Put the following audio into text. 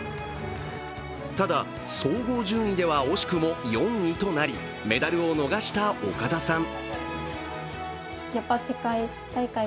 ただ、総合順位では惜しくも４位となりメダルを逃した岡田さん。